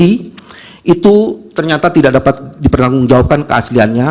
itu ternyata tidak dapat dipertanggungjawabkan keasliannya